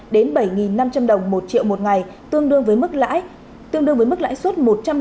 đến bảy năm trăm linh đồng một triệu một ngày tương đương với mức lãi suất